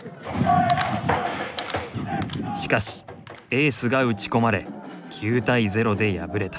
しかしエースが打ち込まれ９対０で敗れた。